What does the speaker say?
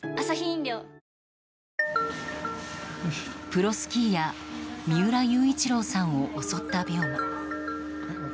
プロスキーヤー三浦雄一郎さんを襲った病魔。